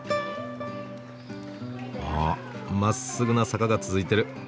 あまっすぐな坂が続いてる。